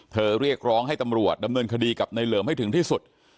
เรียกร้องให้ตำรวจดำเนินคดีกับในเหลิมให้ถึงที่สุด